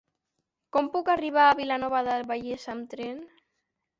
Com puc arribar a Vilanova del Vallès amb tren?